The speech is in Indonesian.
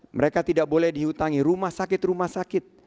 mereka tidak boleh dihutangi rumah sakit rumah sakit